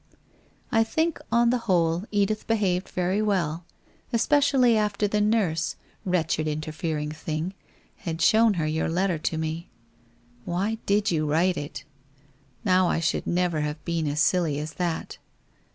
I think on the whole Edith behaved very well, especially after the nurse, wretched interfering thing, had shown her your letter to me. Why did you write it? Now I should never have been as silly as that